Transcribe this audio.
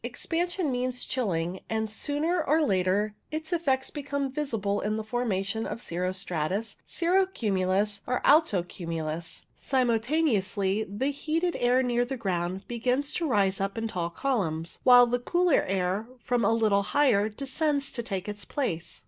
Expansion means chilling, and sooner or later its effects become visible in the formation of cirro stratus, cirro cumulus, or alto cumulus. Simultaneously the heated air near the ground begins to rise up in tall columns, while the cooler air from a little higher descends to take its place.